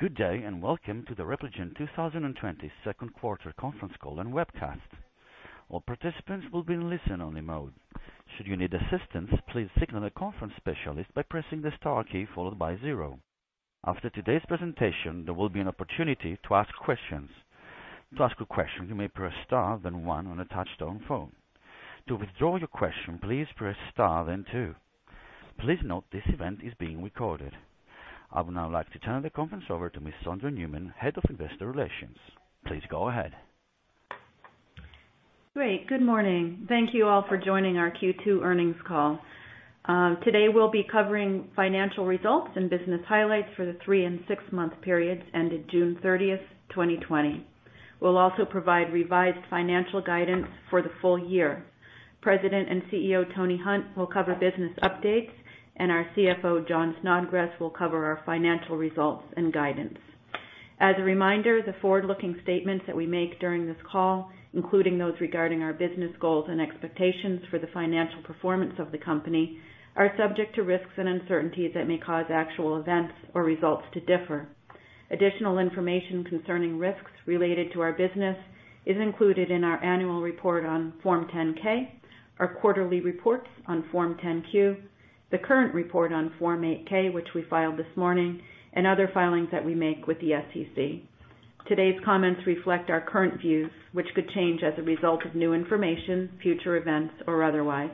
Good day, and welcome to the Repligen 2020 second quarter conference call and webcast. All participants will be in listen-only mode. Should you need assistance, please signal the conference specialist by pressing the star key followed by zero. After today's presentation, there will be an opportunity to ask questions. To ask a question, you may press star then one on a touch-tone phone. To withdraw your question, please press star then two. Please note this event is being recorded. I would now like to turn the conference over to Ms. Sondra Newman, Head of Investor Relations. Please go ahead. Great. Good morning. Thank you all for joining our Q2 earnings call. Today, we'll be covering financial results and business highlights for the three and six-month periods ended June 30th, 2020. We'll also provide revised financial guidance for the full year. President and CEO Tony Hunt will cover business updates, and our CFO, Jon Snodgres, will cover our financial results and guidance. As a reminder, the forward-looking statements that we make during this call, including those regarding our business goals and expectations for the financial performance of the company, are subject to risks and uncertainties that may cause actual events or results to differ. Additional information concerning risks related to our business is included in our annual report on Form 10-K, our quarterly reports on Form 10-Q, the current report on Form 8-K, which we filed this morning, and other filings that we make with the SEC. Today's comments reflect our current views, which could change as a result of new information, future events, or otherwise.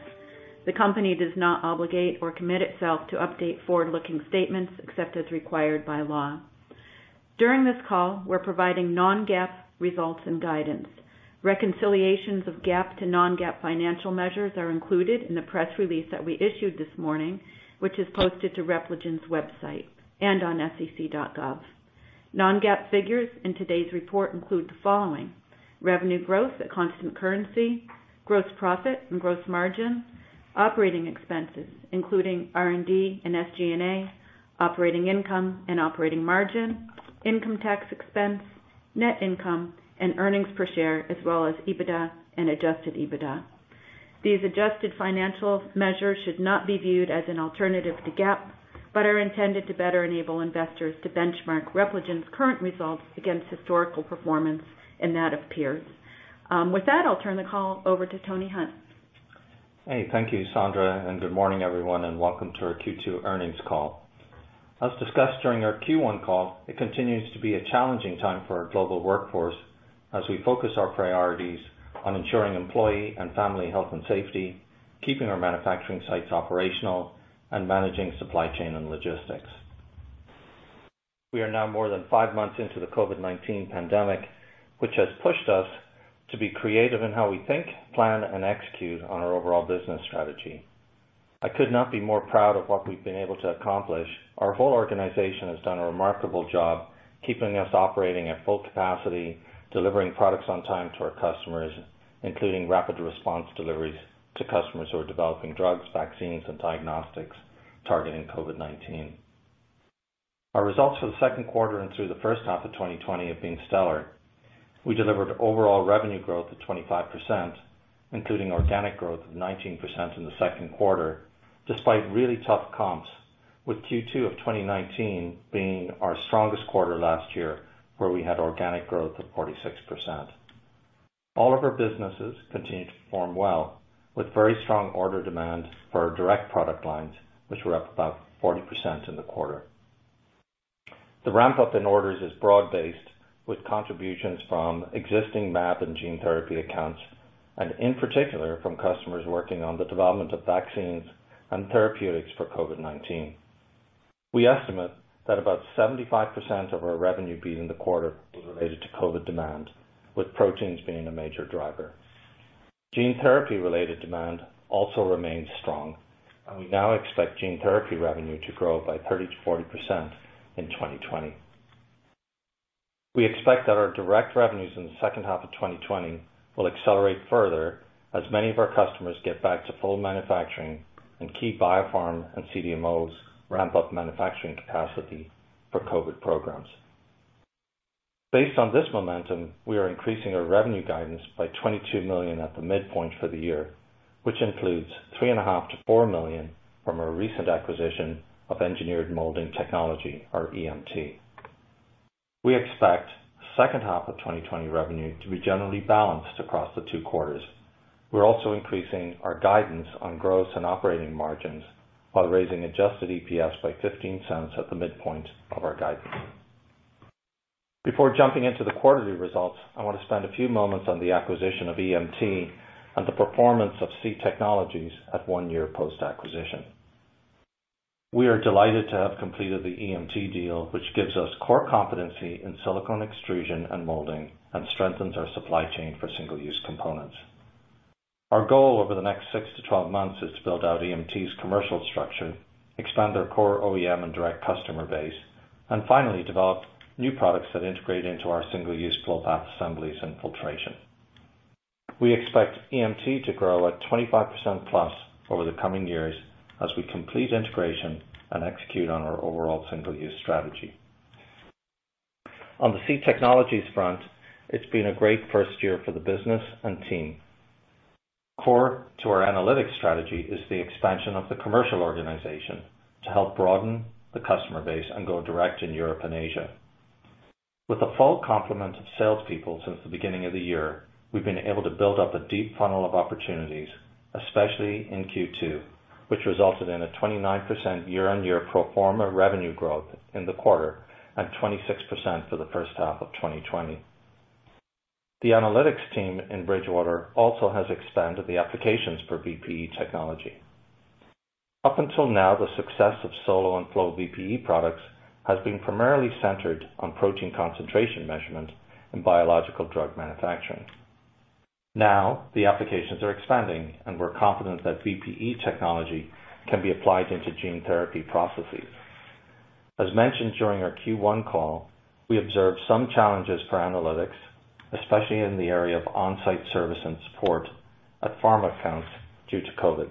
The company does not obligate or commit itself to update forward-looking statements except as required by law. During this call, we're providing non-GAAP results and guidance. Reconciliations of GAAP to non-GAAP financial measures are included in the press release that we issued this morning, which is posted to Repligen's website and on sec.gov. Non-GAAP figures in today's report include the following: revenue growth at constant currency, gross profit and gross margin, operating expenses including R&D and SG&A, operating income and operating margin, income tax expense, net income, and earnings per share, as well as EBITDA and adjusted EBITDA. These adjusted financial measures should not be viewed as an alternative to GAAP but are intended to better enable investors to benchmark Repligen's current results against historical performance and that of peers. With that, I'll turn the call over to Tony Hunt. Hey, thank you, Sondra, and good morning, everyone, and welcome to our Q2 earnings call. As discussed during our Q1 call, it continues to be a challenging time for our global workforce as we focus our priorities on ensuring employee and family health and safety, keeping our manufacturing sites operational, and managing supply chain and logistics. We are now more than five months into the COVID-19 pandemic, which has pushed us to be creative in how we think, plan, and execute on our overall business strategy. I could not be more proud of what we've been able to accomplish. Our whole organization has done a remarkable job keeping us operating at full capacity, delivering products on time to our customers, including rapid response deliveries to customers who are developing drugs, vaccines, and diagnostics targeting COVID-19. Our results for the second quarter and through the first half of 2020 have been stellar. We delivered overall revenue growth of 25%, including organic growth of 19% in the second quarter, despite really tough comps, with Q2 of 2019 being our strongest quarter last year, where we had organic growth of 46%. All of our businesses continue to perform well, with very strong order demand for our direct product lines, which were up about 40% in the quarter. The ramp-up in orders is broad-based, with contributions from existing mAb and gene therapy accounts, and in particular from customers working on the development of vaccines and therapeutics for COVID-19. We estimate that about 75% of our revenue beat in the quarter was related to COVID demand, with proteins being a major driver. Gene therapy-related demand also remains strong, and we now expect gene therapy revenue to grow by 30%-40% in 2020. We expect that our direct revenues in the second half of 2020 will accelerate further as many of our customers get back to full manufacturing and key biopharma and CDMOs ramp up manufacturing capacity for COVID programs. Based on this momentum, we are increasing our revenue guidance by $22 million at the midpoint for the year, which includes $3.5-$4 million from our recent acquisition of Engineered Molding Technology, or EMT. We expect the second half of 2020 revenue to be generally balanced across the two quarters. We're also increasing our guidance on gross and operating margins while raising adjusted EPS by $0.15 at the midpoint of our guidance. Before jumping into the quarterly results, I want to spend a few moments on the acquisition of EMT and the performance of C Technologies at one year post-acquisition. We are delighted to have completed the EMT deal, which gives us core competency in silicone extrusion and molding and strengthens our supply chain for single-use components. Our goal over the next six to 12 months is to build out EMT's commercial structure, expand their core OEM and direct customer base, and finally develop new products that integrate into our single-use flow path assemblies and filtration. We expect EMT to grow at 25% plus over the coming years as we complete integration and execute on our overall single-use strategy. On the C Technologies front, it's been a great first year for the business and team. Core to our analytics strategy is the expansion of the commercial organization to help broaden the customer base and go direct in Europe and Asia. With a full complement of salespeople since the beginning of the year, we've been able to build up a deep funnel of opportunities, especially in Q2, which resulted in a 29% year-on-year pro forma revenue growth in the quarter and 26% for the first half of 2020. The analytics team in Bridgewater also has expanded the applications for VPE technology. Up until now, the success of SoloVPE and FlowVPE products has been primarily centered on protein concentration measurement and biological drug manufacturing. Now, the applications are expanding, and we're confident that VPE technology can be applied into gene therapy processes. As mentioned during our Q1 call, we observed some challenges for analytics, especially in the area of on-site service and support at pharma accounts due to COVID.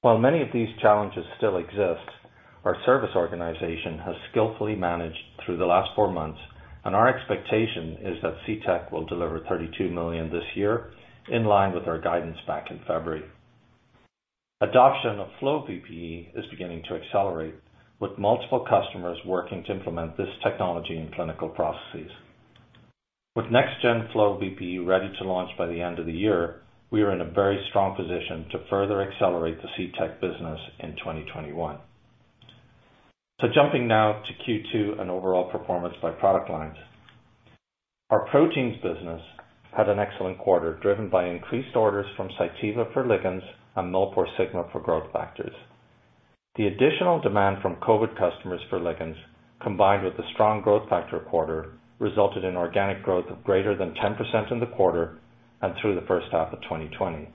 While many of these challenges still exist, our service organization has skillfully managed through the last four months, and our expectation is that C Technologies will deliver $32 million this year in line with our guidance back in February. Adoption of FlowVPE is beginning to accelerate, with multiple customers working to implement this technology in clinical processes. With next-gen FlowVPE ready to launch by the end of the year, we are in a very strong position to further accelerate the C Technologies business in 2021. So jumping now to Q2 and overall performance by product lines. Our proteins business had an excellent quarter driven by increased orders from Cytiva for ligands and MilliporeSigma for growth factors. The additional demand from COVID customers for ligands, combined with the strong growth factor quarter, resulted in organic growth of greater than 10% in the quarter and through the first half of 2020.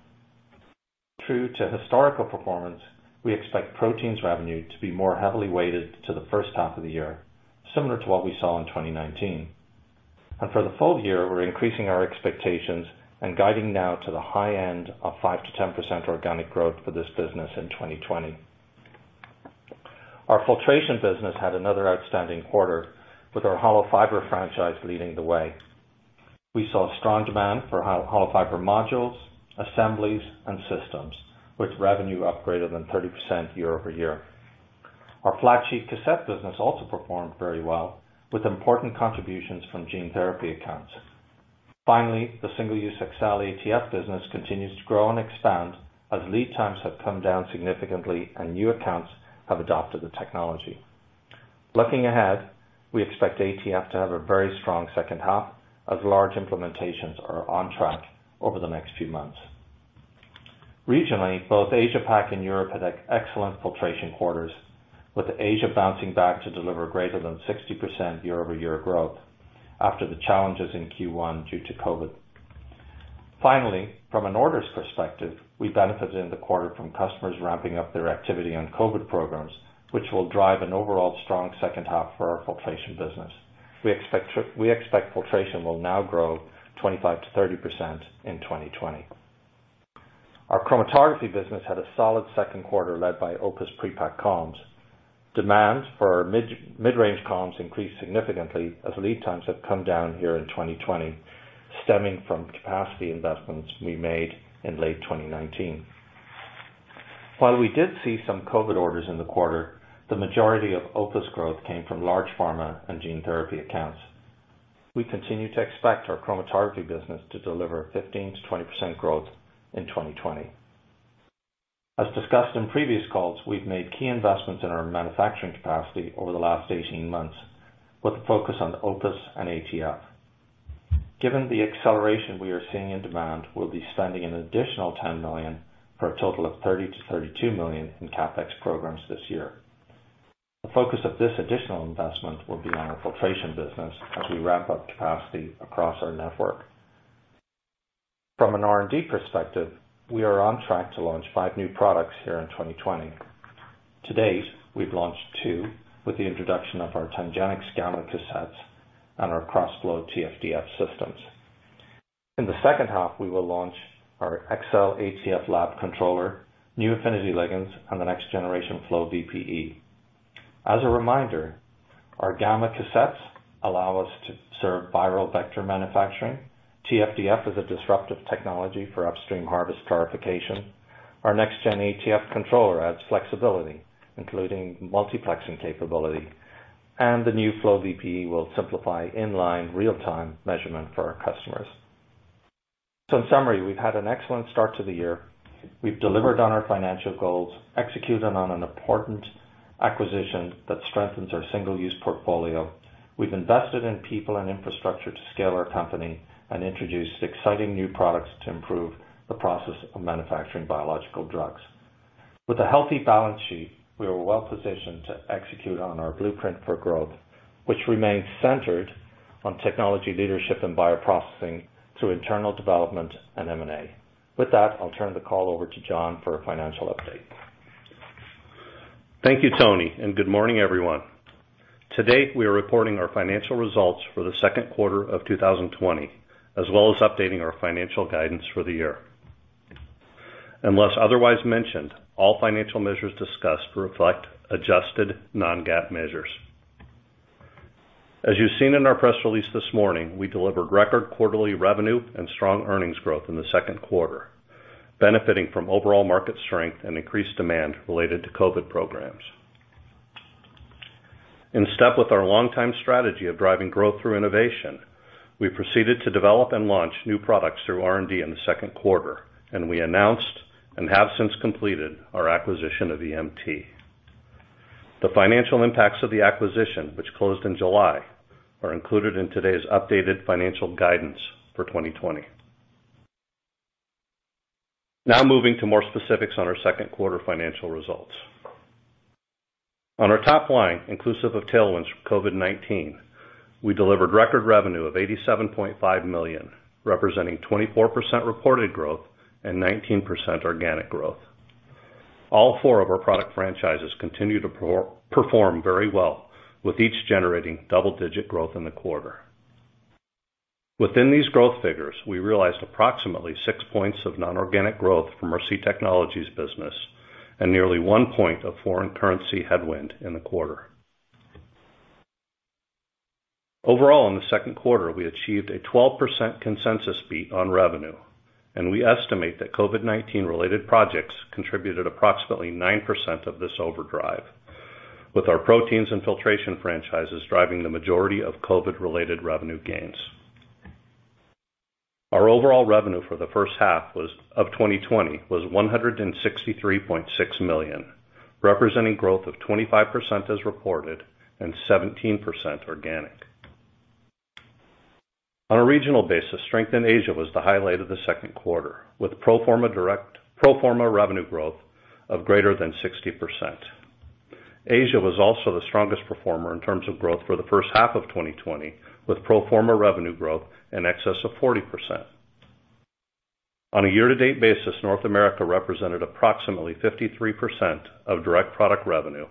True to historical performance, we expect proteins revenue to be more heavily weighted to the first half of the year, similar to what we saw in 2019, and for the full year, we're increasing our expectations and guiding now to the high end of 5%-10% organic growth for this business in 2020. Our filtration business had another outstanding quarter, with our hollow fiber franchise leading the way. We saw strong demand for hollow fiber modules, assemblies, and systems, with revenue up greater than 30% year-over-year. Our flat sheet cassette business also performed very well, with important contributions from gene therapy accounts. Finally, the single-use XCell ATF business continues to grow and expand as lead times have come down significantly and new accounts have adopted the technology. Looking ahead, we expect ATF to have a very strong second half as large implementations are on track over the next few months. Regionally, both Asia-Pac and Europe had excellent filtration quarters, with Asia bouncing back to deliver greater than 60% year-over-year growth after the challenges in Q1 due to COVID. Finally, from an orders perspective, we benefited in the quarter from customers ramping up their activity on COVID programs, which will drive an overall strong second half for our filtration business. We expect filtration will now grow 25%-30% in 2020. Our chromatography business had a solid second quarter led by Opus Pre-packed Columns. Demand for mid-range columns increased significantly as lead times have come down here in 2020, stemming from capacity investments we made in late 2019. While we did see some COVID orders in the quarter, the majority of Opus growth came from large pharma and gene therapy accounts. We continue to expect our chromatography business to deliver 15%-20% growth in 2020. As discussed in previous calls, we've made key investments in our manufacturing capacity over the last 18 months, with a focus on Opus and ATF. Given the acceleration we are seeing in demand, we'll be spending an additional $10 million for a total of $30-$32 million in CapEx programs this year. The focus of this additional investment will be on our filtration business as we ramp up capacity across our network. From an R&D perspective, we are on track to launch five new products here in 2020. To date, we've launched two, with the introduction of our TangenX Gamma cassettes and our KrosFlo TFDF systems. In the second half, we will launch our XCell ATF lab controller, new affinity ligands, and the next-generation FlowVPE. As a reminder, our Gamma cassettes allow us to serve viral vector manufacturing, TFDF as a disruptive technology for upstream harvest clarification, our next-gen ATF controller adds flexibility, including multiplexing capability, and the new FlowVPE will simplify inline real-time measurement for our customers. So in summary, we've had an excellent start to the year. We've delivered on our financial goals, executed on an important acquisition that strengthens our single-use portfolio. We've invested in people and infrastructure to scale our company and introduced exciting new products to improve the process of manufacturing biological drugs. With a healthy balance sheet, we are well positioned to execute on our blueprint for growth, which remains centered on technology leadership and bioprocessing through internal development and M&A. With that, I'll turn the call over to Jon for a financial update. Thank you, Tony, and good morning, everyone. To date, we are reporting our financial results for the second quarter of 2020, as well as updating our financial guidance for the year. Unless otherwise mentioned, all financial measures discussed reflect adjusted non-GAAP measures. As you've seen in our press release this morning, we delivered record quarterly revenue and strong earnings growth in the second quarter, benefiting from overall market strength and increased demand related to COVID programs. In step with our long-time strategy of driving growth through innovation, we proceeded to develop and launch new products through R&D in the second quarter, and we announced and have since completed our acquisition of EMT. The financial impacts of the acquisition, which closed in July, are included in today's updated financial guidance for 2020. Now moving to more specifics on our second quarter financial results. On our top line, inclusive of tailwinds from COVID-19, we delivered record revenue of $87.5 million, representing 24% reported growth and 19% organic growth. All four of our product franchises continue to perform very well, with each generating double-digit growth in the quarter. Within these growth figures, we realized approximately six points of non-organic growth from our C Technologies business and nearly one point of foreign currency headwind in the quarter. Overall, in the second quarter, we achieved a 12% consensus beat on revenue, and we estimate that COVID-19-related projects contributed approximately 9% of this overdrive, with our proteins and filtration franchises driving the majority of COVID-related revenue gains. Our overall revenue for the first half of 2020 was $163.6 million, representing growth of 25% as reported and 17% organic. On a regional basis, strength in Asia was the highlight of the second quarter, with pro forma revenue growth of greater than 60%. Asia was also the strongest performer in terms of growth for the first half of 2020, with pro forma revenue growth in excess of 40%. On a year-to-date basis, North America represented approximately 53% of direct product revenue,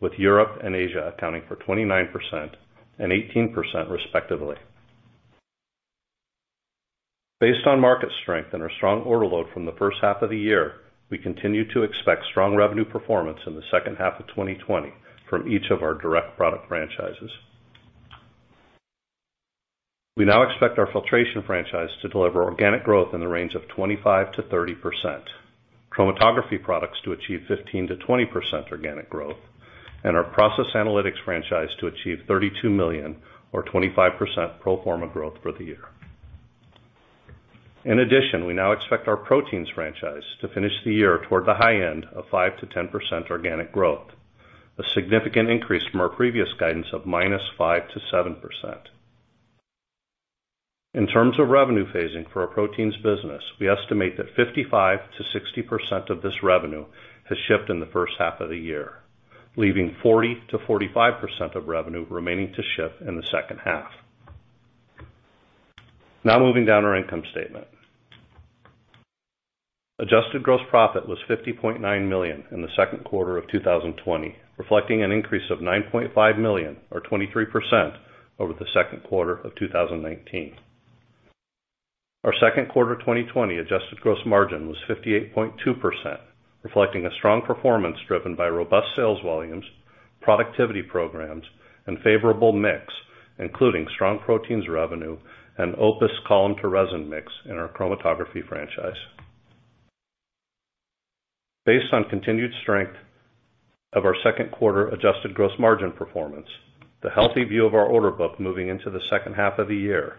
with Europe and Asia accounting for 29% and 18%, respectively. Based on market strength and our strong order load from the first half of the year, we continue to expect strong revenue performance in the second half of 2020 from each of our direct product franchises. We now expect our filtration franchise to deliver organic growth in the range of 25%-30%, chromatography products to achieve 15%-20% organic growth, and our process analytics franchise to achieve $32 million, or 25% pro forma growth for the year. In addition, we now expect our proteins franchise to finish the year toward the high end of 5%-10% organic growth, a significant increase from our previous guidance of -5% to 7%. In terms of revenue phasing for our proteins business, we estimate that 55%-60% of this revenue has shipped in the first half of the year, leaving 40%-45% of revenue remaining to ship in the second half. Now moving down our income statement. Adjusted gross profit was $50.9 million in the second quarter of 2020, reflecting an increase of $9.5 million, or 23%, over the second quarter of 2019. Our second quarter 2020 adjusted gross margin was 58.2%, reflecting a strong performance driven by robust sales volumes, productivity programs, and favorable mix, including strong Proteins revenue and OPUS column-to-resin mix in our Chromatography franchise. Based on continued strength of our second quarter adjusted gross margin performance, the healthy view of our order book moving into the second half of the year,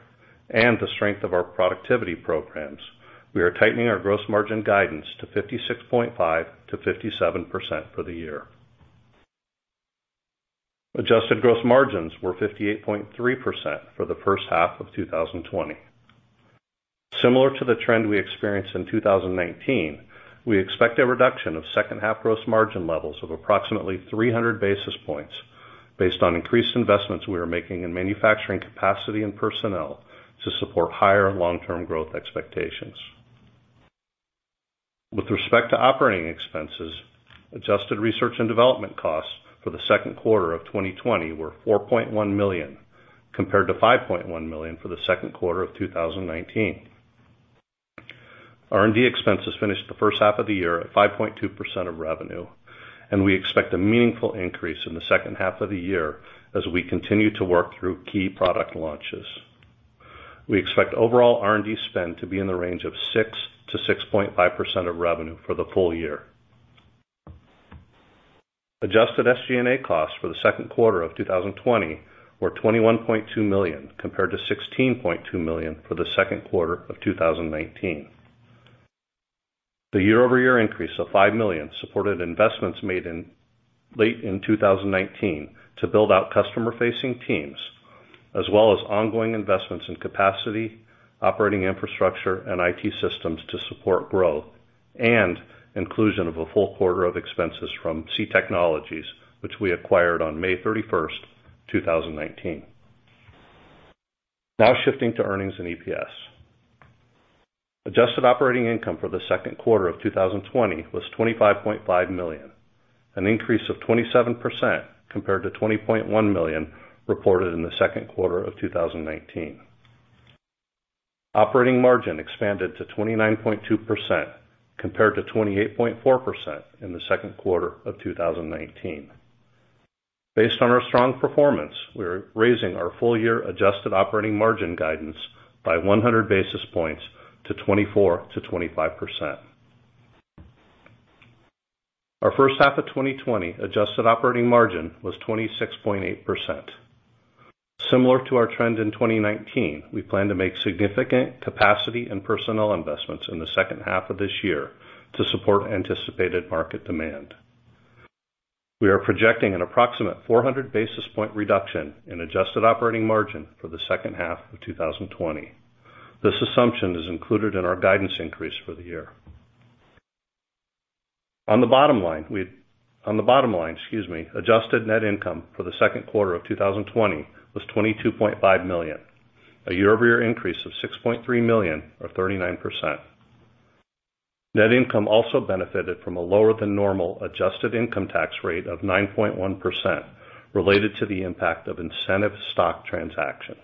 and the strength of our productivity programs, we are tightening our gross margin guidance to 56.5%-57% for the year. Adjusted gross margins were 58.3% for the first half of 2020. Similar to the trend we experienced in 2019, we expect a reduction of second half gross margin levels of approximately 300 basis points based on increased investments we are making in manufacturing capacity and personnel to support higher long-term growth expectations. With respect to operating expenses, adjusted research and development costs for the second quarter of 2020 were $4.1 million, compared to $5.1 million for the second quarter of 2019. R&D expenses finished the first half of the year at 5.2% of revenue, and we expect a meaningful increase in the second half of the year as we continue to work through key product launches. We expect overall R&D spend to be in the range of 6%-6.5% of revenue for the full year. Adjusted SG&A costs for the second quarter of 2020 were $21.2 million, compared to $16.2 million for the second quarter of 2019. The year-over-year increase of $5 million supported investments made late in 2019 to build out customer-facing teams, as well as ongoing investments in capacity, operating infrastructure, and IT systems to support growth, and inclusion of a full quarter of expenses from C Technologies, which we acquired on May 31st, 2019. Now shifting to earnings and EPS. Adjusted operating income for the second quarter of 2020 was $25.5 million, an increase of 27% compared to $20.1 million reported in the second quarter of 2019. Operating margin expanded to 29.2%, compared to 28.4% in the second quarter of 2019. Based on our strong performance, we are raising our full-year adjusted operating margin guidance by 100 basis points to 24%-25%. Our first half of 2020 adjusted operating margin was 26.8%. Similar to our trend in 2019, we plan to make significant capacity and personnel investments in the second half of this year to support anticipated market demand. We are projecting an approximate 400 basis point reduction in adjusted operating margin for the second half of 2020. This assumption is included in our guidance increase for the year. On the bottom line, excuse me, adjusted net income for the second quarter of 2020 was $22.5 million, a year-over-year increase of $6.3 million, or 39%. Net income also benefited from a lower-than-normal adjusted income tax rate of 9.1% related to the impact of incentive stock transactions.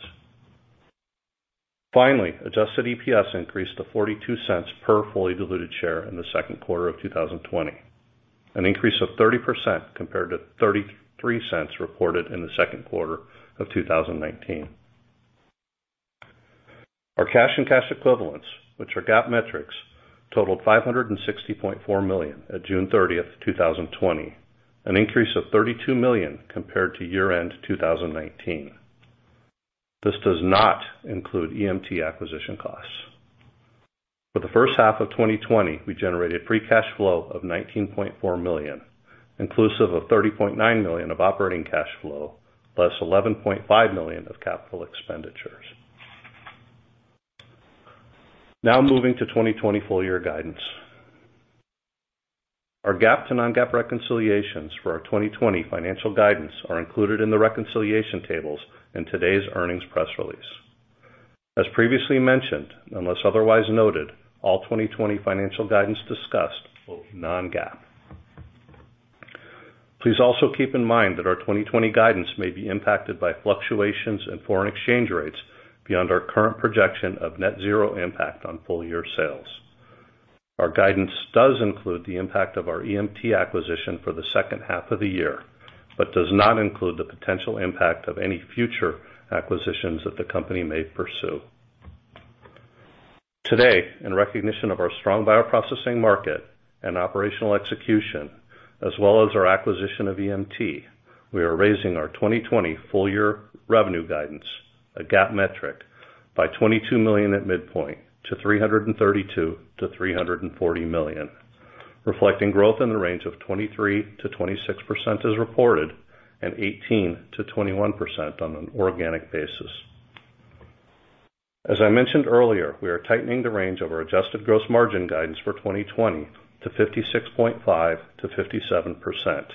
Finally, adjusted EPS increased to $0.42 per fully diluted share in the second quarter of 2020, an increase of 30% compared to $0.33 reported in the second quarter of 2019. Our cash and cash equivalents, which are GAAP metrics, totaled $560.4 million at June 30th, 2020, an increase of $32 million compared to year-end 2019. This does not include EMT acquisition costs. For the first half of 2020, we generated free cash flow of $19.4 million, inclusive of $30.9 million of operating cash flow, less $11.5 million of capital expenditures. Now moving to 2020 full-year guidance. Our GAAP to non-GAAP reconciliations for our 2020 financial guidance are included in the reconciliation tables in today's earnings press release. As previously mentioned, unless otherwise noted, all 2020 financial guidance discussed will be non-GAAP. Please also keep in mind that our 2020 guidance may be impacted by fluctuations in foreign exchange rates beyond our current projection of net-zero impact on full-year sales. Our guidance does include the impact of our EMT acquisition for the second half of the year, but does not include the potential impact of any future acquisitions that the company may pursue. Today, in recognition of our strong bioprocessing market and operational execution, as well as our acquisition of EMT, we are raising our 2020 full-year revenue guidance, a GAAP metric, by $22 million at midpoint to $332-$340 million, reflecting growth in the range of 23%-26% as reported and 18%-21% on an organic basis. As I mentioned earlier, we are tightening the range of our adjusted gross margin guidance for 2020 to 56.5%-57%,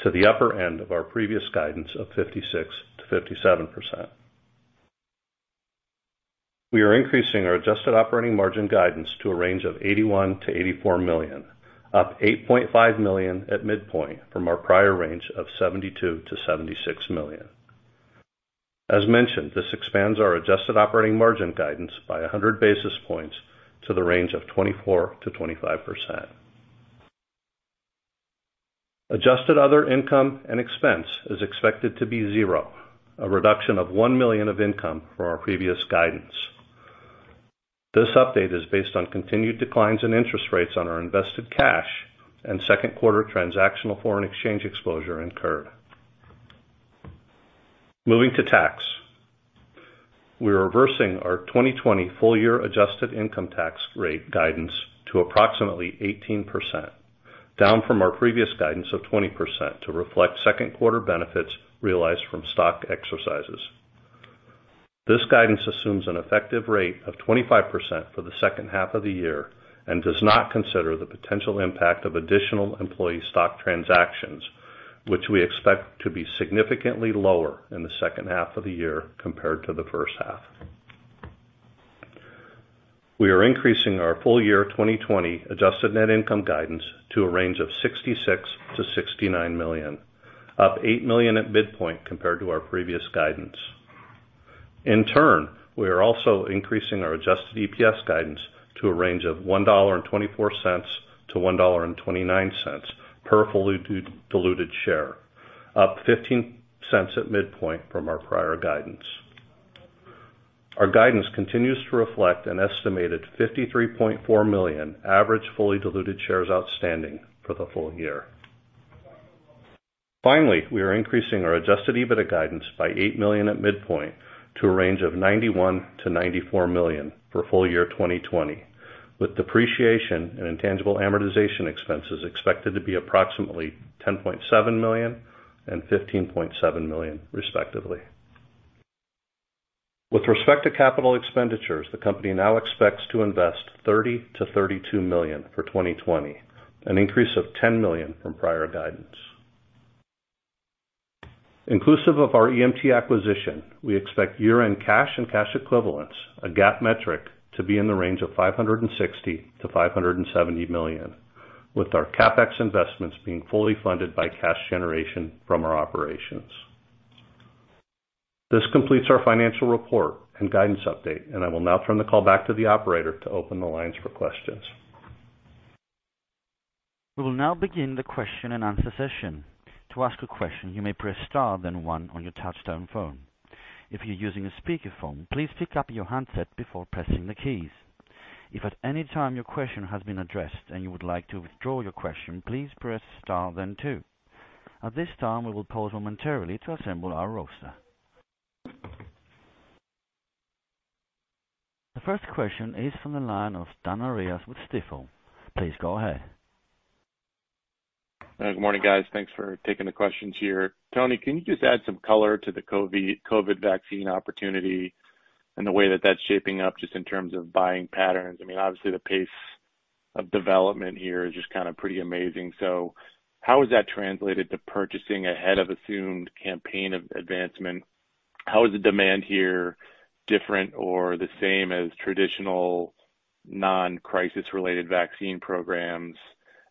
to the upper end of our previous guidance of 56%-57%. We are increasing our adjusted operating margin guidance to a range of $81 million-$84 million, up $8.5 million at midpoint from our prior range of $72 million-$76 million. As mentioned, this expands our adjusted operating margin guidance by 100 basis points to the range of 24%-25%. Adjusted other income and expense is expected to be $0, a reduction of $1 million of income from our previous guidance. This update is based on continued declines in interest rates on our invested cash and second quarter transactional foreign exchange exposure incurred. Moving to tax, we are revising our 2020 full-year adjusted income tax rate guidance to approximately 18%, down from our previous guidance of 20% to reflect second quarter benefits realized from stock exercises. This guidance assumes an effective rate of 25% for the second half of the year and does not consider the potential impact of additional employee stock transactions, which we expect to be significantly lower in the second half of the year compared to the first half. We are increasing our full-year 2020 adjusted net income guidance to a range of $66 million-$69 million, up $8 million at midpoint compared to our previous guidance. In turn, we are also increasing our adjusted EPS guidance to a range of $1.24-$1.29 per fully diluted share, up $0.15 at midpoint from our prior guidance. Our guidance continues to reflect an estimated 53.4 million average fully diluted shares outstanding for the full year. Finally, we are increasing our adjusted EBITDA guidance by $8 million at midpoint to a range of $91-$94 million for full-year 2020, with depreciation and intangible amortization expenses expected to be approximately $10.7 million and $15.7 million, respectively. With respect to capital expenditures, the company now expects to invest $30-$32 million for 2020, an increase of $10 million from prior guidance. Inclusive of our EMT acquisition, we expect year-end cash and cash equivalents, a GAAP metric, to be in the range of $560-$570 million, with our CapEx investments being fully funded by cash generation from our operations. This completes our financial report and guidance update, and I will now turn the call back to the operator to open the lines for questions. We will now begin the question and answer session. To ask a question, you may press Star then One on your touch-tone phone. If you're using a speakerphone, please pick up your handset before pressing the keys. If at any time your question has been addressed and you would like to withdraw your question, please press Star then Two. At this time, we will pause momentarily to assemble our roster. The first question is from the line of Dan Arias with Stifel. Please go ahead. Good morning, guys. Thanks for taking the questions here. Tony, can you just add some color to the COVID vaccine opportunity and the way that that's shaping up just in terms of buying patterns? I mean, obviously, the pace of development here is just kind of pretty amazing. So how is that translated to purchasing ahead of assumed campaign advancement? How is the demand here different or the same as traditional non-crisis-related vaccine programs?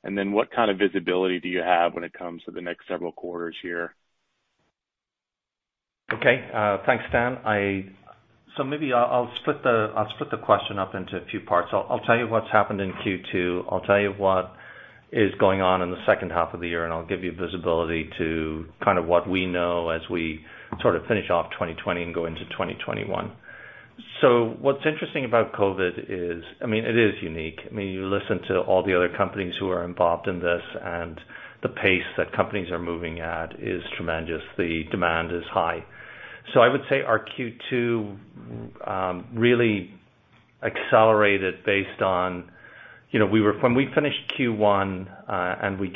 And then what kind of visibility do you have when it comes to the next several quarters here? Okay. Thanks, Dan. So maybe I'll split the question up into a few parts. I'll tell you what's happened in Q2. I'll tell you what is going on in the second half of the year, and I'll give you visibility to kind of what we know as we sort of finish off 2020 and go into 2021. So what's interesting about COVID is, I mean, it is unique. I mean, you listen to all the other companies who are involved in this, and the pace that companies are moving at is tremendous. The demand is high. So I would say our Q2 really accelerated based on, when we finished Q1 and we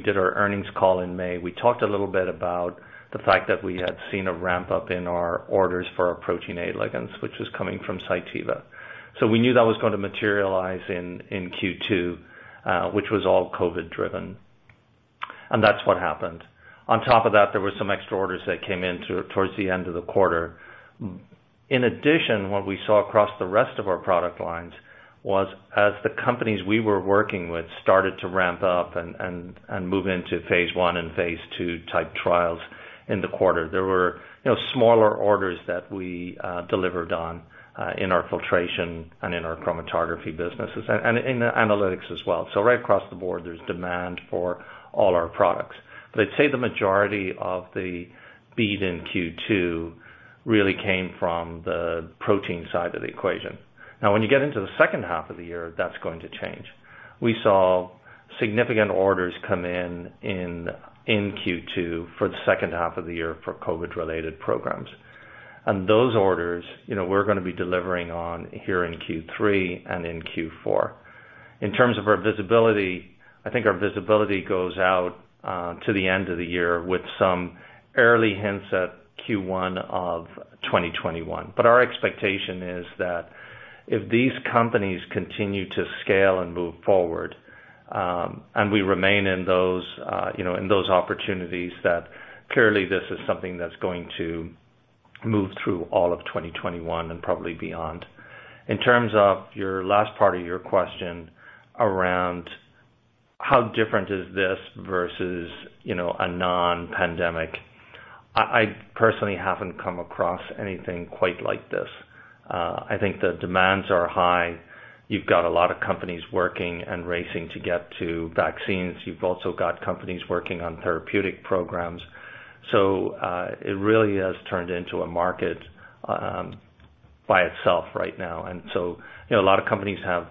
did our earnings call in May, we talked a little bit about the fact that we had seen a ramp up in our orders for our Protein A Ligands, which was coming from Cytiva. So we knew that was going to materialize in Q2, which was all COVID-driven. And that's what happened. On top of that, there were some extra orders that came in towards the end of the quarter. In addition, what we saw across the rest of our product lines was, as the companies we were working with started to ramp up and move into phase and phase II type trials in the quarter, there were smaller orders that we delivered on in our filtration and in our chromatography businesses and in the analytics as well. Right across the board, there's demand for all our products. But I'd say the majority of the beat in Q2 really came from the protein side of the equation. Now, when you get into the second half of the year, that's going to change. We saw significant orders come in in Q2 for the second half of the year for COVID-related programs. And those orders, we're going to be delivering on here in Q3 and in Q4. In terms of our visibility, I think our visibility goes out to the end of the year with some early hints at Q1 of 2021. But our expectation is that if these companies continue to scale and move forward and we remain in those opportunities, that clearly this is something that's going to move through all of 2021 and probably beyond. In terms of your last part of your question around how different is this versus a non-pandemic, I personally haven't come across anything quite like this. I think the demands are high. You've got a lot of companies working and racing to get to vaccines. You've also got companies working on therapeutic programs. So it really has turned into a market by itself right now. And so a lot of companies have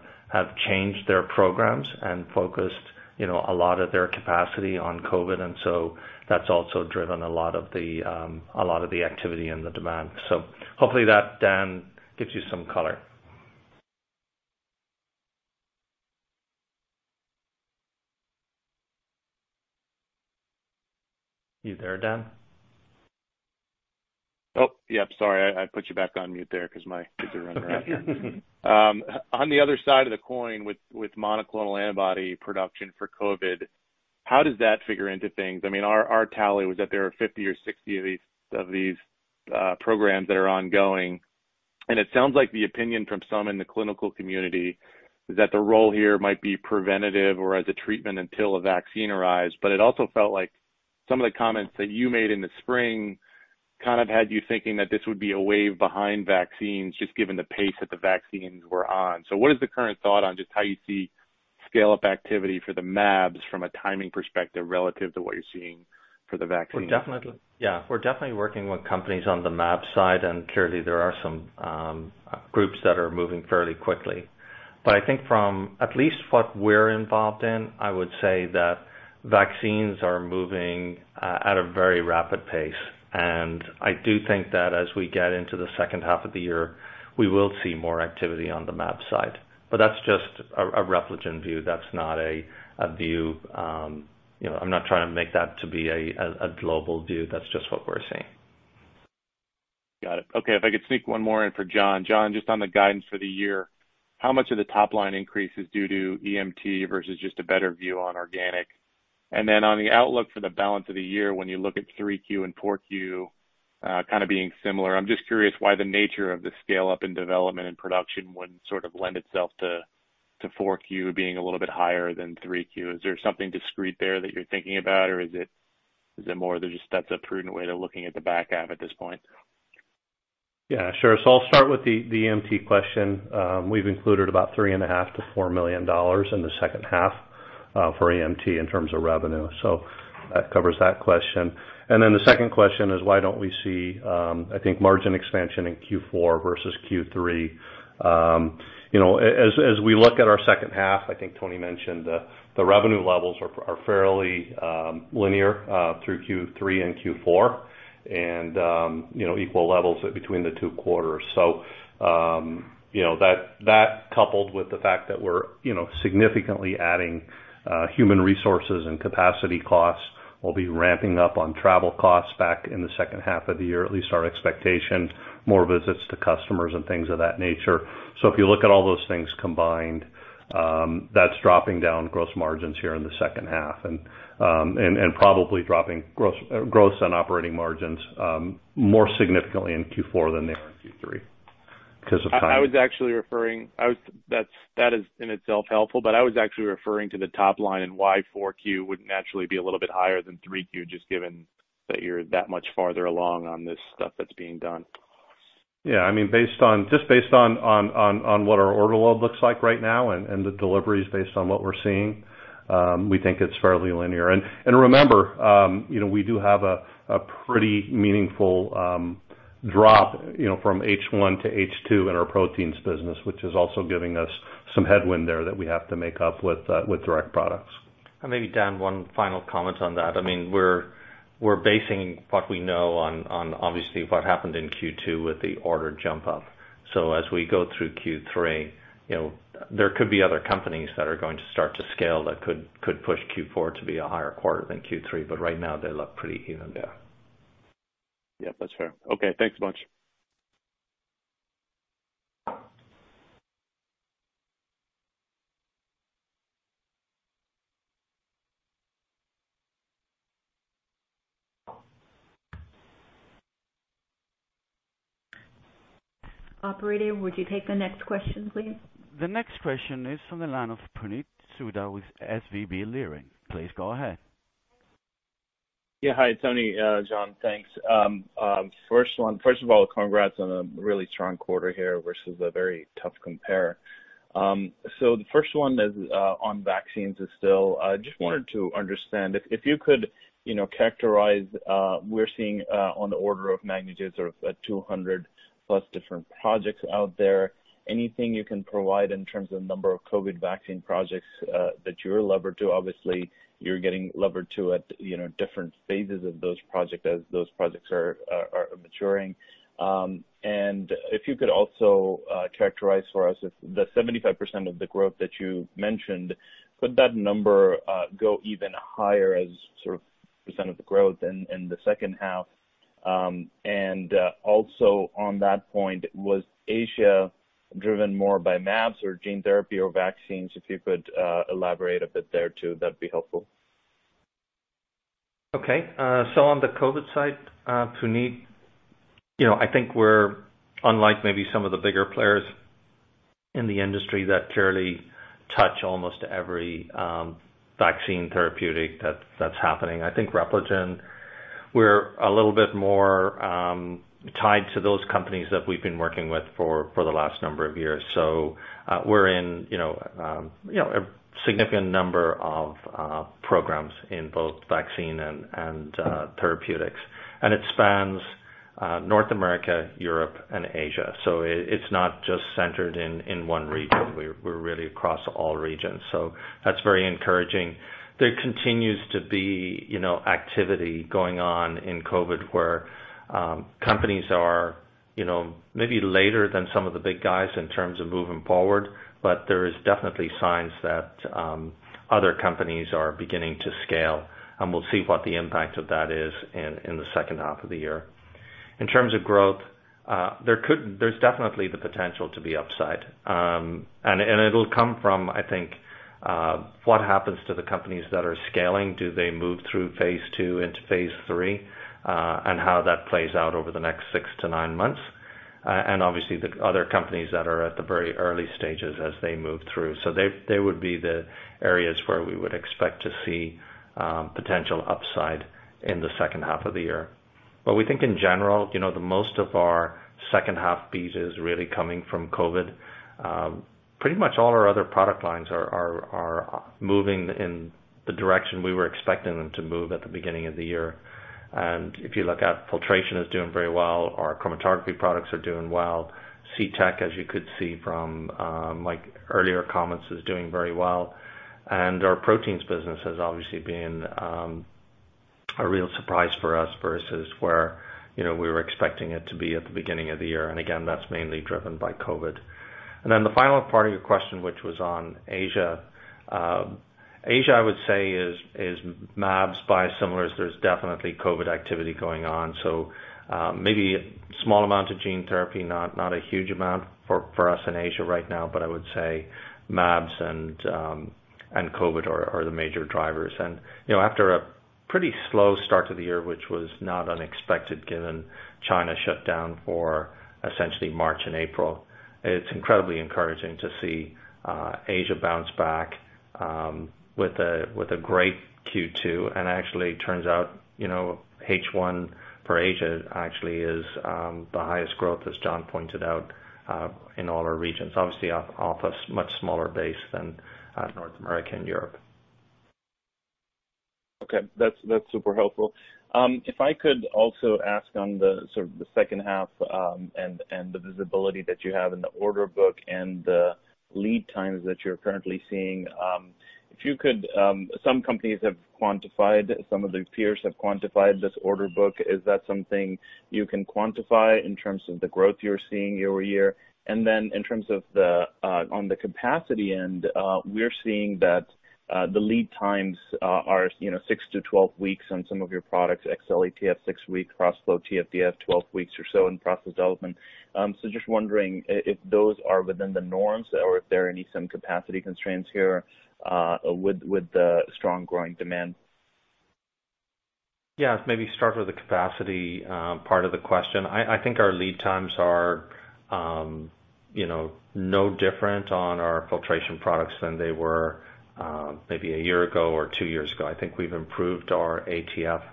changed their programs and focused a lot of their capacity on COVID. And so that's also driven a lot of the activity and the demand. So hopefully that, Dan, gives you some color. You there, Dan? Oh, yep. Sorry. I put you back on mute there because my kids are running around. On the other side of the coin with monoclonal antibody production for COVID, how does that figure into things? I mean, our tally was that there are 50 or 60 of these programs that are ongoing. And it sounds like the opinion from some in the clinical community is that the role here might be preventative or as a treatment until a vaccine arises. But it also felt like some of the comments that you made in the spring kind of had you thinking that this would be a wave behind vaccines, just given the pace that the vaccines were on. So what is the current thought on just how you see scale-up activity for the mAbs from a timing perspective relative to what you're seeing for the vaccines? Definitely. Yeah. We're definitely working with companies on the mAb side, and clearly there are some groups that are moving fairly quickly. But I think from at least what we're involved in, I would say that vaccines are moving at a very rapid pace. And I do think that as we get into the second half of the year, we will see more activity on the mAb side. But that's just a Repligen view. That's not a view. I'm not trying to make that to be a global view. That's just what we're seeing. Got it. Okay. If I could sneak one more in for Jon. Jon, just on the guidance for the year, how much of the top line increase is due to EMT versus just a better view on organic? Then on the outlook for the balance of the year, when you look at 3Q and 4Q kind of being similar, I'm just curious why the nature of the scale-up in development and production wouldn't sort of lend itself to 4Q being a little bit higher than 3Q. Is there something discrete there that you're thinking about, or is it more that just that's a prudent way to looking at the back half at this point? Yeah. Sure. I'll start with the EMT question. We've included about $3.5 million-$4 million in the second half for EMT in terms of revenue. So that covers that question. And then the second question is, why don't we see, I think, margin expansion in Q4 versus Q3? As we look at our second half, I think Tony mentioned the revenue levels are fairly linear through Q3 and Q4 and equal levels between the two quarters. So that coupled with the fact that we're significantly adding human resources and capacity costs, we'll be ramping up on travel costs back in the second half of the year, at least our expectation, more visits to customers and things of that nature. So if you look at all those things combined, that's dropping down gross margins here in the second half and probably dropping gross and operating margins more significantly in Q4 than they are in Q3 because of timing. I was actually referring. That is in itself helpful, but I was actually referring to the top line and why 4Q would naturally be a little bit higher than 3Q, just given that you're that much farther along on this stuff that's being done. Yeah. I mean, just based on what our order load looks like right now and the deliveries, based on what we're seeing, we think it's fairly linear. And remember, we do have a pretty meaningful drop from H1 to H2 in our proteins business, which is also giving us some headwind there that we have to make up with direct products. And maybe, Dan, one final comment on that. I mean, we're basing what we know on, obviously, what happened in Q2 with the order jump up. So as we go through Q3, there could be other companies that are going to start to scale that could push Q4 to be a higher quarter than Q3. But right now, they look pretty even. Yeah. Yep. That's fair. Okay. Thanks so much. Operator, would you take the next question, please? The next question is from the line of Puneet Souda with SVB Leerink. Please go ahead. Yeah. Hi, Tony. Jon, thanks. First of all, congrats on a really strong quarter here versus a very tough compare. So the first one on vaccines is still. I just wanted to understand if you could characterize what we're seeing on the order of magnitude sort of 200-plus different projects out there. Anything you can provide in terms of number of COVID vaccine projects that you're levered to? Obviously, you're getting levered to at different phases of those projects as those projects are maturing. And if you could also characterize for us the 75% of the growth that you mentioned, could that number go even higher as sort of percent of the growth in the second half? And also on that point, was Asia driven more by mAbs or gene therapy or vaccines? If you could elaborate a bit there too, that'd be helpful. Okay. So on the COVID side, Puneet, I think we're unlike maybe some of the bigger players in the industry that clearly touch almost every vaccine therapeutic that's happening. I think Repligen, we're a little bit more tied to those companies that we've been working with for the last number of years. So we're in a significant number of programs in both vaccine and therapeutics. And it spans North America, Europe, and Asia. It's not just centered in one region. We're really across all regions. That's very encouraging. There continues to be activity going on in COVID where companies are maybe later than some of the big guys in terms of moving forward, but there are definitely signs that other companies are beginning to scale. We'll see what the impact of that is in the second half of the year. In terms of growth, there's definitely the potential to be upside. It'll come from, I think, what happens to the companies that are scaling. Do they move through phase two into phase three and how that plays out over the next six to nine months? Obviously, the other companies that are at the very early stages as they move through. So they would be the areas where we would expect to see potential upside in the second half of the year. But we think in general, most of our second-half beat is really coming from COVID. Pretty much all our other product lines are moving in the direction we were expecting them to move at the beginning of the year. And if you look at filtration, it's doing very well. Our chromatography products are doing well. C-Tech, as you could see from earlier comments, is doing very well. And our proteins business has obviously been a real surprise for us versus where we were expecting it to be at the beginning of the year. And again, that's mainly driven by COVID. And then the final part of your question, which was on Asia. Asia, I would say, is mAbs, biosimilars. There's definitely COVID activity going on. Maybe a small amount of gene therapy, not a huge amount for us in Asia right now, but I would say mAbs and COVID are the major drivers. And after a pretty slow start to the year, which was not unexpected given China shut down for essentially March and April, it's incredibly encouraging to see Asia bounce back with a great Q2. And actually, it turns out H1 for Asia actually is the highest growth, as John pointed out, in all our regions. Obviously, off a much smaller base than North America and Europe. Okay. That's super helpful. If I could also ask on the sort of the second half and the visibility that you have in the order book and the lead times that you're currently seeing, if you could some companies have quantified, some of the peers have quantified this order book. Is that something you can quantify in terms of the growth you're seeing year over year? And then in terms of on the capacity end, we're seeing that the lead times are 6-12 weeks on some of your products, XCell ATF 6 weeks, KrosFlo TFDF 12 weeks or so in process development. So just wondering if those are within the norms or if there are any capacity constraints here with the strong growing demand. Yeah. Maybe start with the capacity part of the question. I think our lead times are no different on our filtration products than they were maybe a year ago or two years ago. I think we've improved our ATF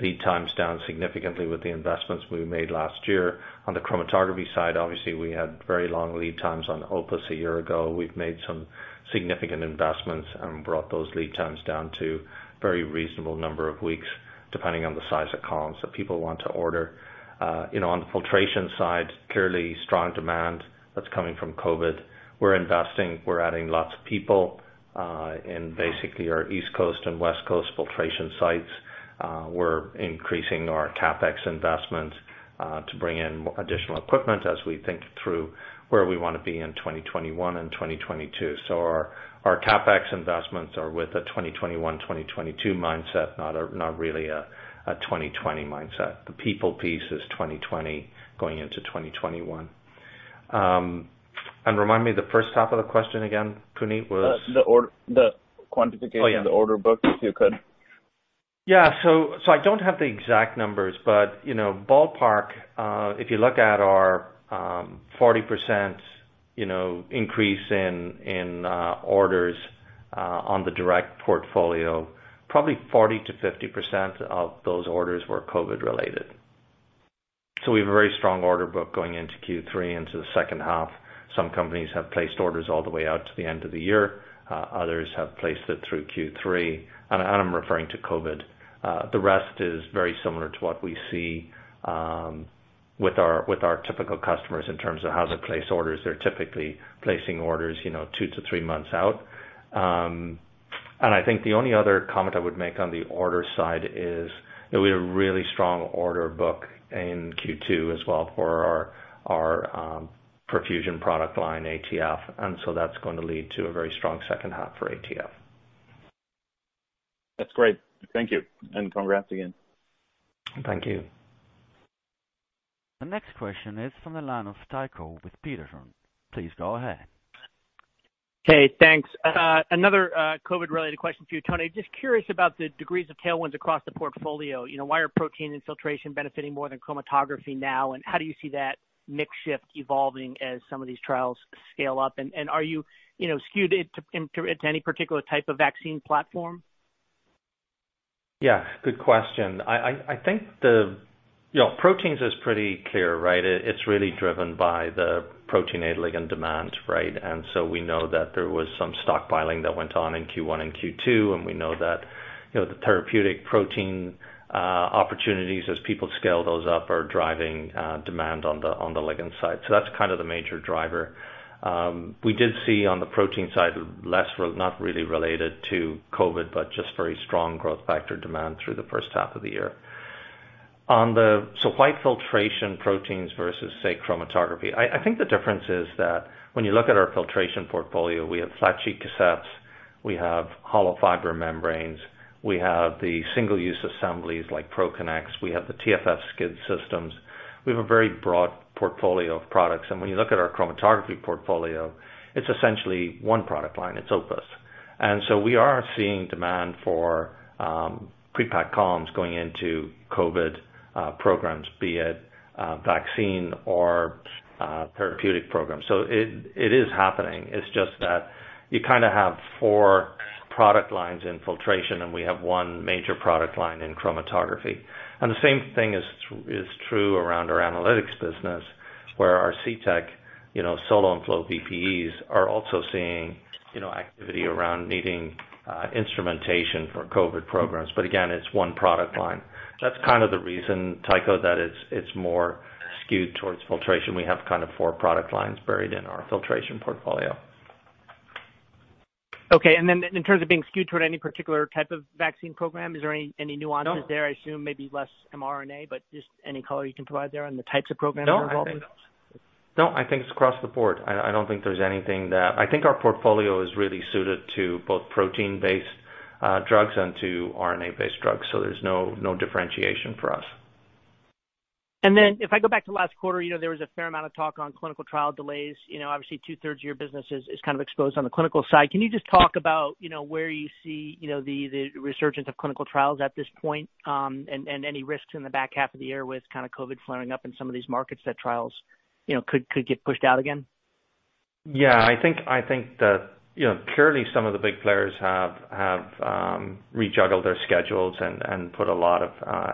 lead times down significantly with the investments we made last year. On the chromatography side, obviously, we had very long lead times on OPUS a year ago. We've made some significant investments and brought those lead times down to a very reasonable number of weeks, depending on the size of columns that people want to order. On the filtration side, clearly strong demand that's coming from COVID. We're investing. We're adding lots of people in basically our East Coast and West Coast filtration sites. We're increasing our CapEx investments to bring in additional equipment as we think through where we want to be in 2021 and 2022. So our CapEx investments are with a 2021, 2022 mindset, not really a 2020 mindset. The people piece is 2020 going into 2021. And remind me the first half of the question again, Puneet, was? The quantification of the order book, if you could. Yeah. I don't have the exact numbers, but ballpark, if you look at our 40% increase in orders on the direct portfolio, probably 40%-50% of those orders were COVID-related. We have a very strong order book going into Q3 into the second half. Some companies have placed orders all the way out to the end of the year. Others have placed it through Q3. I'm referring to COVID. The rest is very similar to what we see with our typical customers in terms of how they place orders. They're typically placing orders two to three months out. I think the only other comment I would make on the order side is that we have a really strong order book in Q2 as well for our perfusion product line ATF. That's going to lead to a very strong second half for ATF. That's great. Thank you. And congrats again. Thank you. The next question is from the line of Tycho Peterson. Please go ahead. Hey, thanks. Another COVID-related question for you, Tony. Just curious about the degrees of tailwinds across the portfolio. Why are Protein A filtration benefiting more than chromatography now? And how do you see that mix shift evolving as some of these trials scale up? And are you skewed into any particular type of vaccine platform? Yeah. Good question. I think the Protein A is pretty clear, right? It's really driven by the Protein A ligand demand, right? And so we know that there was some stockpiling that went on in Q1 and Q2, and we know that the therapeutic protein opportunities, as people scale those up, are driving demand on the ligand side. So that's kind of the major driver. We did see on the protein side less, not really related to COVID, but just very strong growth factor demand through the first half of the year. So with filtration proteins versus, say, chromatography. I think the difference is that when you look at our filtration portfolio, we have flat sheet cassettes. We have hollow fiber membranes. We have the single-use assemblies like ProConnex. We have the TFF skid systems. We have a very broad portfolio of products. And when you look at our chromatography portfolio, it's essentially one product line. It's OPUS. And so we are seeing demand for prepack columns going into COVID programs, be it vaccine or therapeutic programs. So it is happening. It's just that you kind of have four product lines in filtration, and we have one major product line in chromatography. And the same thing is true around our analytics business, where our C Tech, Solo and Flow VPEs are also seeing activity around needing instrumentation for COVID programs. But again, it's one product line. That's kind of the reason, Tycho, that it's more skewed towards filtration. We have kind of four product lines buried in our filtration portfolio. Okay. And then in terms of being skewed toward any particular type of vaccine program, is there any nuances there? I assume maybe less mRNA, but just any color you can provide there on the types of programs involved with those? No. I think it's across the board. I don't think there's anything that I think our portfolio is really suited to both protein-based drugs and to RNA-based drugs. So there's no differentiation for us. Then if I go back to last quarter, there was a fair amount of talk on clinical trial delays. Obviously, two-thirds of your business is kind of exposed on the clinical side. Can you just talk about where you see the resurgence of clinical trials at this point and any risks in the back half of the year with kind of COVID flaring up in some of these markets that trials could get pushed out again? Yeah. I think that clearly some of the big players have rejuggled their schedules and put a lot of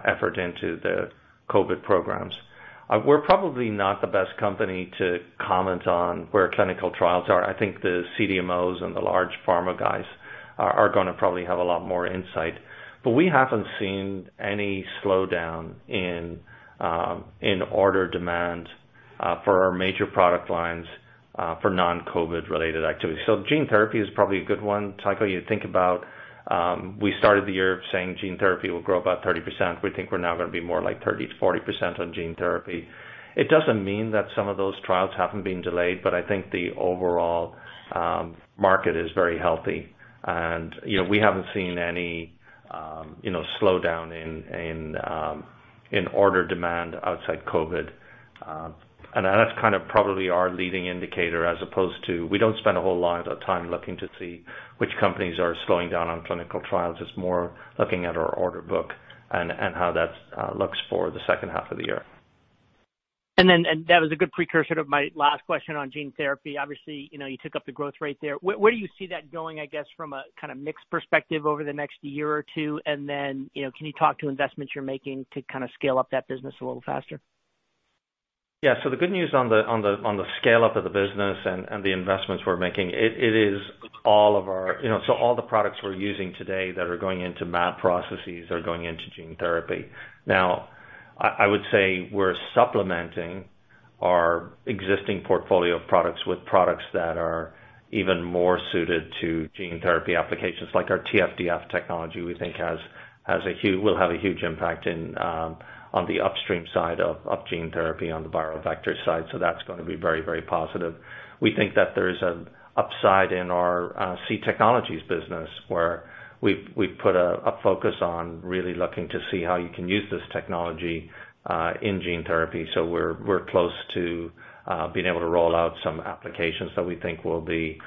effort into the COVID programs. We're probably not the best company to comment on where clinical trials are. I think the CDMOs and the large pharma guys are going to probably have a lot more insight. But we haven't seen any slowdown in order demand for our major product lines for non-COVID-related activity. So gene therapy is probably a good one. Tycho, you think about we started the year saying gene therapy will grow about 30%. We think we're now going to be more like 30%-40% on gene therapy. It doesn't mean that some of those trials haven't been delayed, but I think the overall market is very healthy. And we haven't seen any slowdown in order demand outside COVID. And that's kind of probably our leading indicator as opposed to we don't spend a whole lot of time looking to see which companies are slowing down on clinical trials. It's more looking at our order book and how that looks for the second half of the year. And then that was a good precursor to my last question on gene therapy. Obviously, you took up the growth rate there. Where do you see that going, I guess, from a kind of mixed perspective over the next year or two? And then can you talk to investments you're making to kind of scale up that business a little faster? Yeah. The good news on the scale-up of the business and the investments we're making, it is all of our all the products we're using today that are going into mAb processes are going into gene therapy. Now, I would say we're supplementing our existing portfolio of products with products that are even more suited to gene therapy applications. Like our TFDF technology, we think will have a huge impact on the upstream side of gene therapy on the viral vector side. That's going to be very, very positive. We think that there is an upside in our C Technologies business where we've put a focus on really looking to see how you can use this technology in gene therapy, so we're close to being able to roll out some applications that we think will be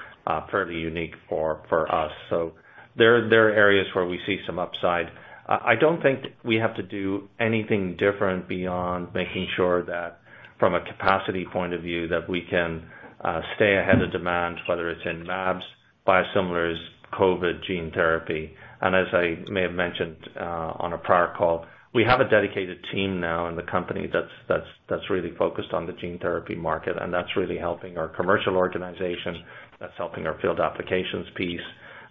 fairly unique for us. So there are areas where we see some upside. I don't think we have to do anything different beyond making sure that from a capacity point of view that we can stay ahead of demand, whether it's in MABs, biosimilars, COVID gene therapy. And as I may have mentioned on a prior call, we have a dedicated team now in the company that's really focused on the gene therapy market. And that's really helping our commercial organization. That's helping our field applications piece.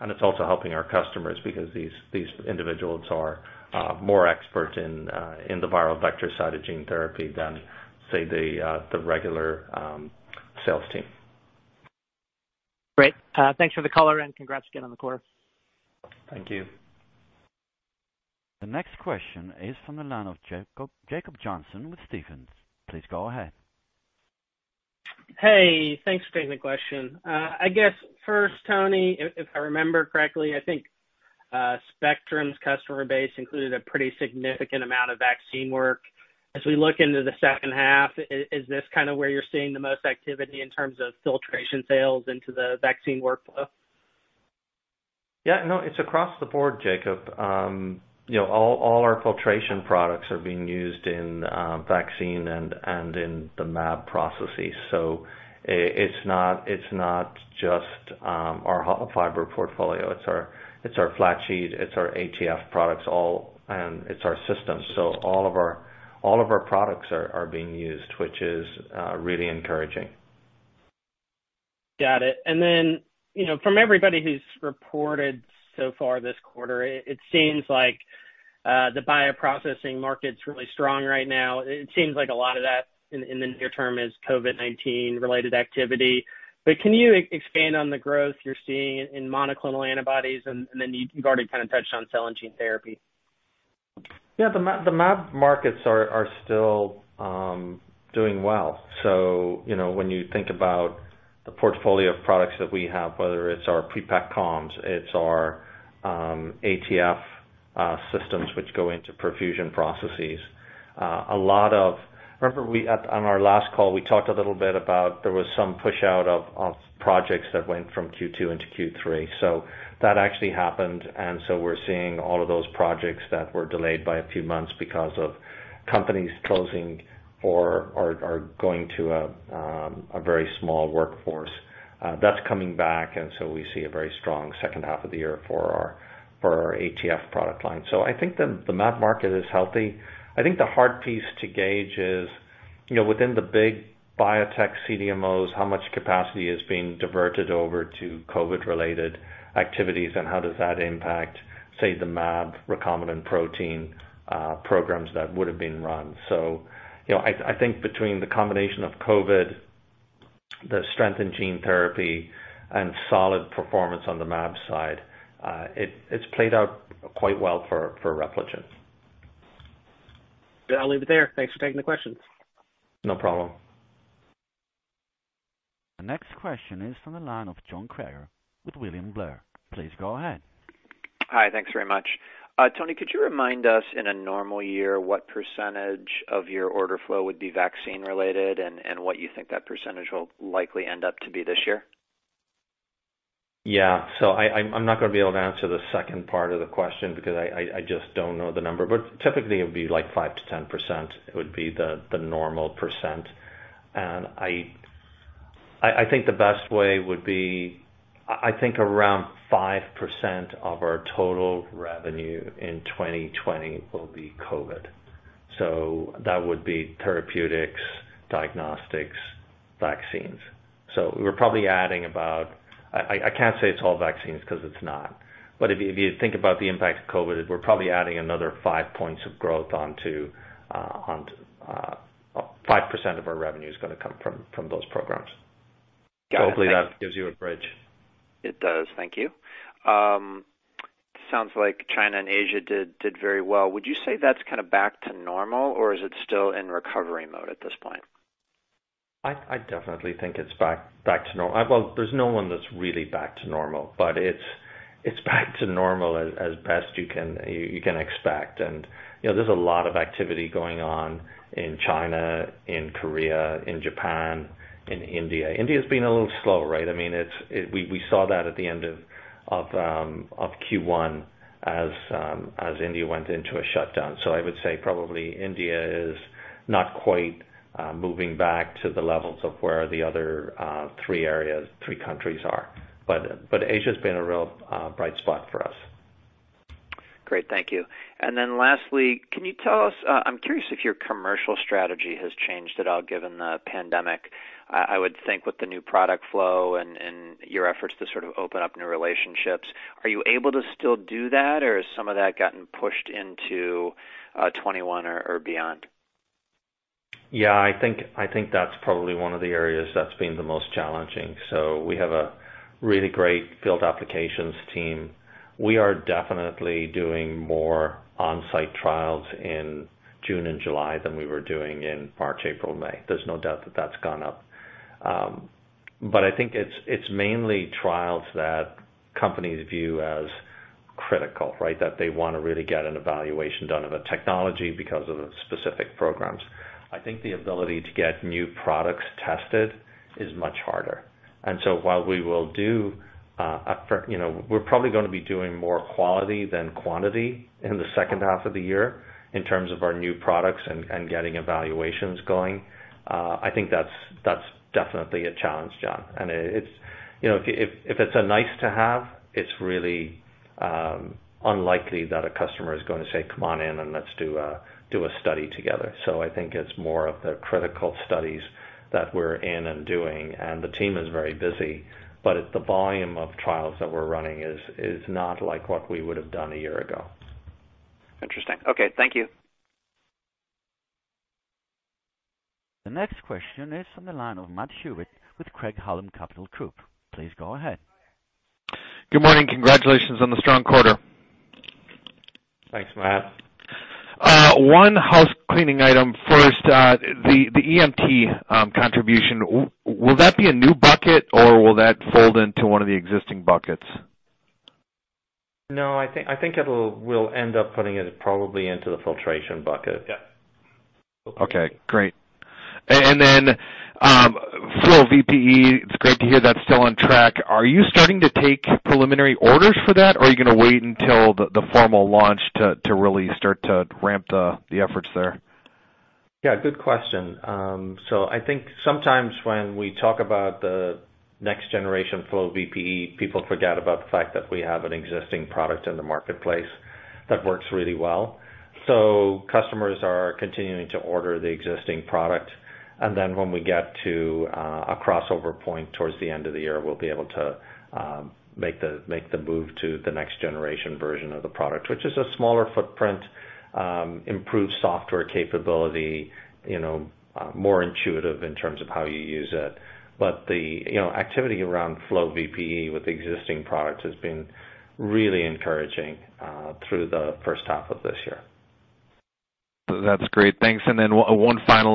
And it's also helping our customers because these individuals are more expert in the viral vector side of gene therapy than, say, the regular sales team. Great. Thanks for the call, Tony. Congrats again on the quarter. Thank you. The next question is from the line of Jacob Johnson with Stephens. Please go ahead. Hey. Thanks for taking the question. I guess first, Tony, if I remember correctly, I think Spectrum's customer base included a pretty significant amount of vaccine work. As we look into the second half, is this kind of where you're seeing the most activity in terms of filtration sales into the vaccine workflow? Yeah. No, it's across the board, Jacob. All our filtration products are being used in vaccine and in the MAB processes. So it's not just our hollow fiber portfolio. It's our flat sheet. It's our ATF products all. And it's our systems. So all of our products are being used, which is really encouraging. Got it. And then from everybody who's reported so far this quarter, it seems like the bioprocessing market's really strong right now. It seems like a lot of that in the near term is COVID-19-related activity. But can you expand on the growth you're seeing in monoclonal antibodies? And then you've already kind of touched on cell and gene therapy. Yeah. The mAb markets are still doing well. So when you think about the portfolio of products that we have, whether it's our pre-packed columns, it's our ATF systems which go into perfusion processes. A lot. Remember on our last call, we talked a little bit about there was some push-out of projects that went from Q2 into Q3. So that actually happened. And so we're seeing all of those projects that were delayed by a few months because of companies closing or going to a very small workforce. That's coming back. And so we see a very strong second half of the year for our ATF product line. So I think the MAB market is healthy. I think the hard piece to gauge is within the big biotech CDMOs, how much capacity is being diverted over to COVID-related activities and how does that impact, say, the MAB recombinant protein programs that would have been run. So I think between the combination of COVID, the strength in gene therapy, and solid performance on the MAB side, it's played out quite well for Repligen. I'll leave it there. Thanks for taking the questions. No problem. The next question is from the line of John Kreger with William Blair. Please go ahead. Hi. Thanks very much. Tony, could you remind us in a normal year what percentage of your order flow would be vaccine-related and what you think that percentage will likely end up to be this year? Yeah. So I'm not going to be able to answer the second part of the question because I just don't know the number. But typically, it would be like 5%-10% would be the normal percent. And I think the best way would be I think around 5% of our total revenue in 2020 will be COVID. So that would be therapeutics, diagnostics, vaccines. So we're probably adding about I can't say it's all vaccines because it's not. But if you think about the impact of COVID, we're probably adding another 5 points of growth onto 5% of our revenue is going to come from those programs. Hopefully, that gives you a bridge. It does. Thank you. Sounds like China and Asia did very well. Would you say that's kind of back to normal, or is it still in recovery mode at this point? I definitely think it's back to normal. Well, there's no one that's really back to normal, but it's back to normal as best you can expect. And there's a lot of activity going on in China, in Korea, in Japan, in India. India has been a little slow, right? I mean, we saw that at the end of Q1 as India went into a shutdown. So I would say probably India is not quite moving back to the levels of where the other three countries are. But Asia has been a real bright spot for us. Great. Thank you. And then lastly, can you tell us? I'm curious if your commercial strategy has changed at all given the pandemic. I would think with the new product flow and your efforts to sort of open up new relationships, are you able to still do that, or has some of that gotten pushed into 2021 or beyond? Yeah. I think that's probably one of the areas that's been the most challenging. So we have a really great field applications team. We are definitely doing more on-site trials in June and July than we were doing in March, April, May. There's no doubt that that's gone up. But I think it's mainly trials that companies view as critical, right, that they want to really get an evaluation done of a technology because of the specific programs. I think the ability to get new products tested is much harder. And so while we will, we're probably going to be doing more quality than quantity in the second half of the year in terms of our new products and getting evaluations going. I think that's definitely a challenge, John. And if it's a nice-to-have, it's really unlikely that a customer is going to say, "Come on in, and let's do a study together." So I think it's more of the critical studies that we're in and doing. And the team is very busy. But the volume of trials that we're running is not like what we would have done a year ago. Interesting. Okay. Thank you. The next question is from the line of Matt Hewitt with Craig-Hallum Capital Group. Please go ahead. Good morning. Congratulations on the strong quarter. Thanks, Matt. One housecleaning item first. The EMT contribution, will that be a new bucket, or will that fold into one of the existing buckets? No. I think it will end up putting it probably into the filtration bucket. Yeah. Okay. Great. And then FlowVPE, it's great to hear that's still on track. Are you starting to take preliminary orders for that, or are you going to wait until the formal launch to really start to ramp the efforts there? Yeah. Good question. So I think sometimes when we talk about the next-generation FlowVPE, people forget about the fact that we have an existing product in the marketplace that works really well. So customers are continuing to order the existing product. And then, when we get to a crossover point towards the end of the year, we'll be able to make the move to the next-generation version of the product, which is a smaller footprint, improved software capability, more intuitive in terms of how you use it. But the activity around FlowVPE with the existing product has been really encouraging through the first half of this year. That's great. Thanks. And then one final.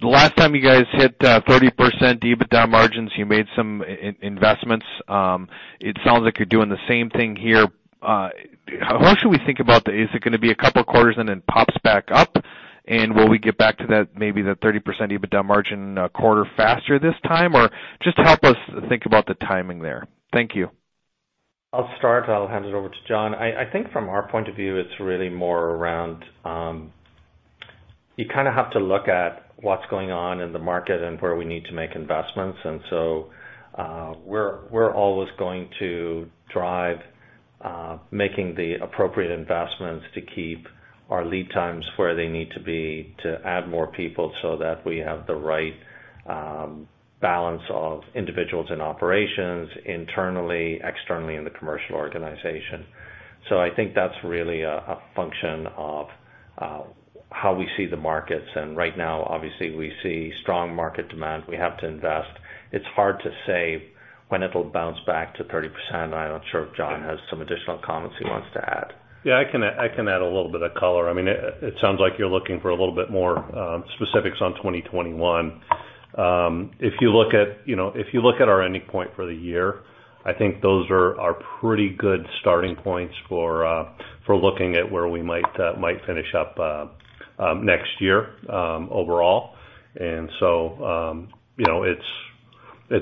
The last time you guys hit 30% EBITDA margins, you made some investments. It sounds like you're doing the same thing here. How should we think about the, is it going to be a couple of quarters and then it pops back up? And will we get back to maybe that 30% EBITDA margin quarter faster this time, or just help us think about the timing there? Thank you. I'll start. I'll hand it over to John. I think from our point of view, it's really more around you kind of have to look at what's going on in the market and where we need to make investments. And so we're always going to drive making the appropriate investments to keep our lead times where they need to be to add more people so that we have the right balance of individuals and operations internally, externally, and the commercial organization. So I think that's really a function of how we see the markets. And right now, obviously, we see strong market demand. We have to invest. It's hard to say when it'll bounce back to 30%. I'm not sure if John has some additional comments he wants to add. Yeah. I can add a little bit of color. I mean, it sounds like you're looking for a little bit more specifics on 2021. If you look at our ending point for the year, I think those are pretty good starting points for looking at where we might finish up next year overall. It's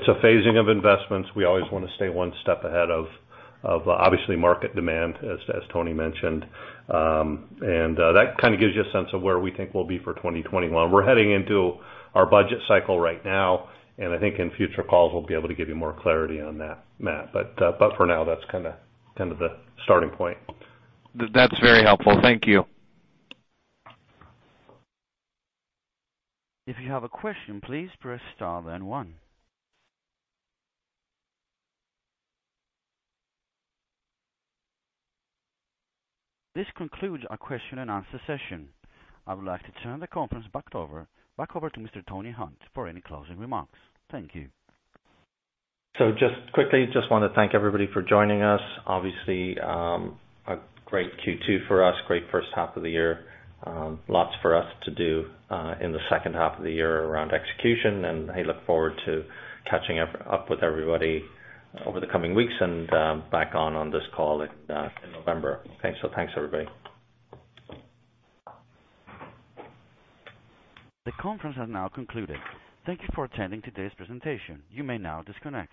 a phasing of investments. We always want to stay one step ahead of, obviously, market demand, as Tony mentioned. That kind of gives you a sense of where we think we'll be for 2021. We're heading into our budget cycle right now. I think in future calls, we'll be able to give you more clarity on that, Matt. But for now, that's kind of the starting point. That's very helpful. Thank you. If you have a question, please press star then one. This concludes our question and answer session. I would like to turn the conference back over to Mr. Tony Hunt for any closing remarks. Thank you. So just quickly, just want to thank everybody for joining us. Obviously, a great Q2 for us, great first half of the year. Lots for us to do in the second half of the year around execution. And I look forward to catching up with everybody over the coming weeks and back on this call in November. Okay. So thanks, everybody. The conference has now concluded. Thank you for attending today's presentation. You may now disconnect.